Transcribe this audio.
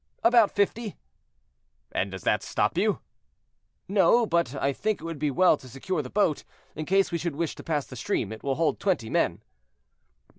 "About fifty." "And does that stop you?" "No, but I think it would be well to secure the boat, in case we should wish to pass the stream; it will hold twenty men."